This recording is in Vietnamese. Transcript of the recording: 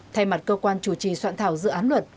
thay mặt cơ quan chủ trì soạn thảo dự án luật